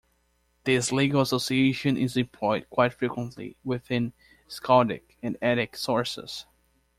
This legal association is employed quite frequently within skaldic and eddic sources.